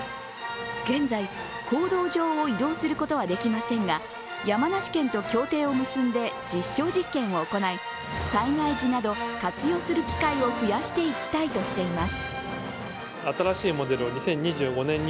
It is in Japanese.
現在、公道上を移動することはできませんが、山梨県と協定を結んで実証実験を行い災害時など活用する機会を増やしていきたいとしています。